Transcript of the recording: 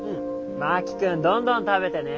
真木君どんどん食べてね。